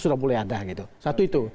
sudah mulai ada gitu satu itu